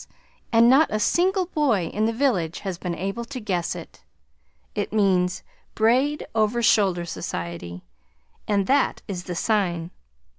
and not a single boy in the village has been able to guess it. It means Braid Over Shoulder Society, and that is the sign.